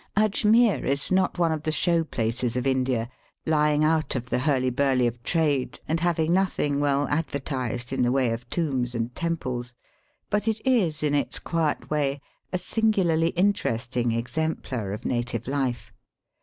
. Ajmere is not one of the show places of India, lying out of the hurly burly of trade, and having nothing well advertised in the way of tombs and temples ; but it is, in its quiet way, a singularly interesting exemplar of native life.